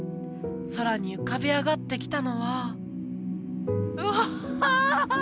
空に浮かび上がってきたのはうわ！